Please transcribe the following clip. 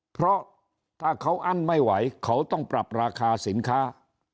เพราะถ้าเขาอั้นไม่ไหวเขาต้องปรับราคาสินค้า